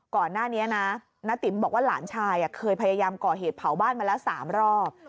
ก่อนหน้านี้นะณติ๋มบอกว่าหลานชายเคยพยายามก่อเหตุเผาบ้านมาแล้ว๓รอบ